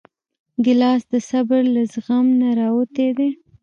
ګیلاس د صبر له زغم نه راوتی دی.